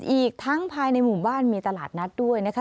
อีกทั้งภายในหมู่บ้านมีตลาดนัดด้วยนะคะ